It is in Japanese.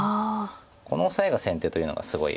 このオサエが先手というのがすごい